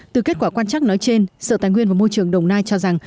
từ kết quả quan chắc nói trên sở tài nguyên và môi trường đồng nai cho rằng